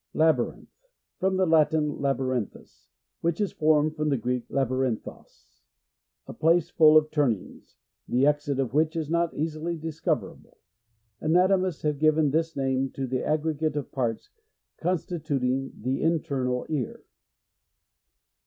Labyrinth. — From the Latin, lahyrin thus, which is formed from the Greek laburinlhos,a. place full of turnings, the exit of which is not easily dis coverable. Anatomists have given this name to the a^g'egate of pirts, constituting the internal ear.